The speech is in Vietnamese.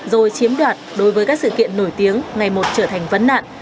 rồi chiếm đoạt đối với các sự kiện nổi tiếng ngày một trở thành vấn nạn